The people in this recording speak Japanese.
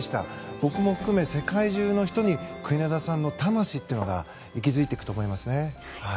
僕も含め世界中の人に国枝さんの魂が息づいていくと思いますね。